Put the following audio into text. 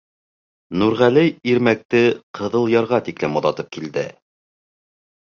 Нурғәле Ирмәкте Ҡыҙыл ярға тиклем оҙатып килде.